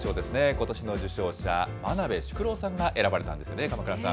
ことしの受賞者、真鍋淑郎さんが選ばれたんですよね、鎌倉さん。